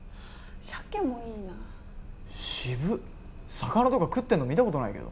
魚とか食ってんの見たことないけど。